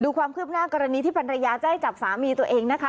ความคืบหน้ากรณีที่ภรรยาจะให้จับสามีตัวเองนะคะ